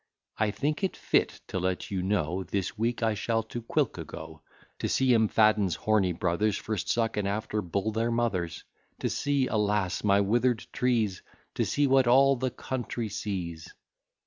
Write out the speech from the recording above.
I think it fit to let you know, This week I shall to Quilca go; To see M'Faden's horny brothers First suck, and after bull their mothers; To see, alas! my wither'd trees! To see what all the country sees!